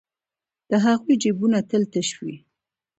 د هغوی جېبونه تل تش وي